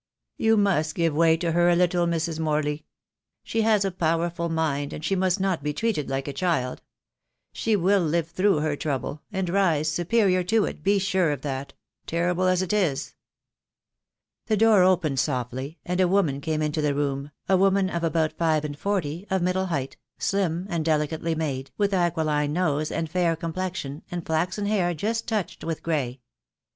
"You must give way to her a little, Mrs. Morley. She has a powerful mind, and she must not be treated like a child. She will live through her trouble, and rise superior to it, be sure of that; terrible as it is." The door opened softly, and a woman came into the room, a woman of about five and forty, of middle height, slim and delicately made, with aquiline nose and fair complexion, and flaxen hair just touched with grey.